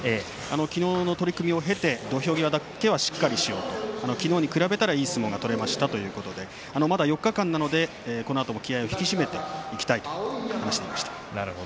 昨日の取組を経て土俵際だけはしっかりしようと昨日に比べたら、いい相撲が取れましたということでまだ４日間なので、このあとも気を引き締めていきたいと話していました。